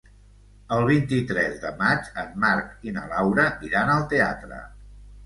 El vint-i-tres de maig en Marc i na Laura iran al teatre.